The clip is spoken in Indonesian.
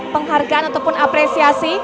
penghargaan ataupun apresiasi